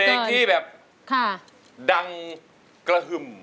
เป็นเพลงที่แบบดังกระฮึ่ม